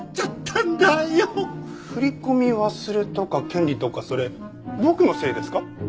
振り込み忘れとか権利とかそれ僕のせいですか？